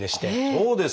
そうですか！